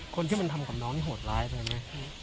คนที่มันทำกับน้องนี่โหดร้ายไปไหม